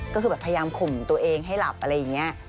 ก็คือแบบพยายามข่มตัวเองให้หลับอะไรอย่างนี้